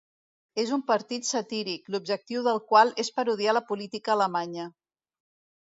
És un partit satíric, l'objectiu del qual és parodiar la política alemanya.